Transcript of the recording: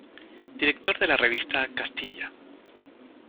Director de la revista "Castilla.